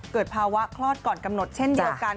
เกิดภาวะคลอดก่อนกำหนดเช่นเดียวกัน